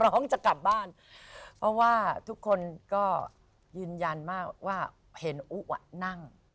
เพราะว่าทุกคนก็ยืนยันมากว่าเห็นอูนั่ง